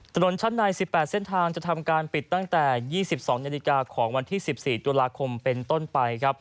ถนนชั้นใน๑๘เส้นทางจะทำการปิดตั้งแต่๒๒นาฬิกาของวันที่๑๔ตุลาคมเป็นต้นไป